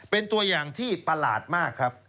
เป็นตัวอย่างที่ประหลาดมากครับ